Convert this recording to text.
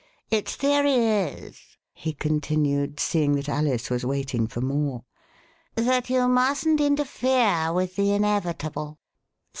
Its theory is," he continued, seeing that Alice was waiting for more, that you mustn't interfere with the Inevitable.